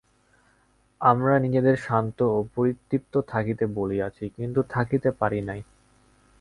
আমরা নিজেদের শান্ত ও পরিতৃপ্ত থাকিতে বলিয়াছি, কিন্তু থাকিতে পারি নাই।